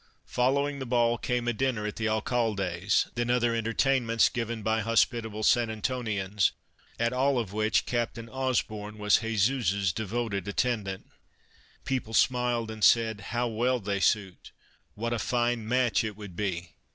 Following the ball came a dinner at the Alcalde's, then other entertainments given by hospitable San Antonians, at all of which Captain Osborn was Jesusa's devoted attendant. Christmas Under Three Hags People smiled and said :" How well they suit ! What a fine match it would be